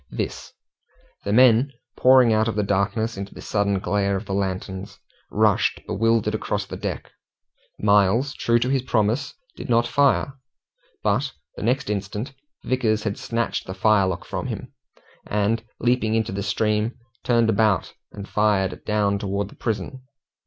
This the men pouring out of the darkness into the sudden glare of the lanterns, rushed, bewildered, across the deck. Miles, true to his promise, did not fire, but the next instant Vickers had snatched the firelock from him, and leaping into the stream, turned about and fired down towards the prison.